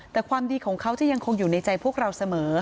แต่ความดีของเขาจะยังคงอยู่ในใจพวกเราเสมอ